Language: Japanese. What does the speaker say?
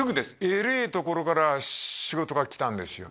えれえところから仕事が来たんですよ